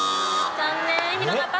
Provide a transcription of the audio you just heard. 残念。